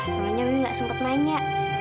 soalnya tadi nggak sempat nanya